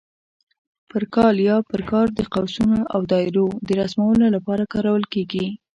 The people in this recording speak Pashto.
پر کال یا پر کار د قوسونو او دایرو د رسمولو لپاره کارول کېږي.